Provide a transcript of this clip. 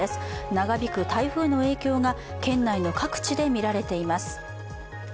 長引く台風の影響が県内の各地で見られています。